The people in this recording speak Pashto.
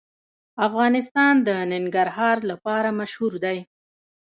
افغانستان د ننګرهار لپاره مشهور دی.